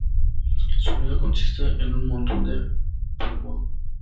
Su nido consiste en un montón de plumón.